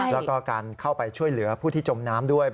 แล้วก็การเข้าไปช่วยเหลือผู้ที่จมน้ำด้วย